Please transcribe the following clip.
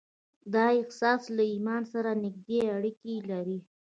دا احساس له ايمان سره نږدې اړيکې لري.